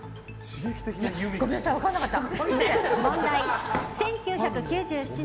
ごめんなさい、分からなかった。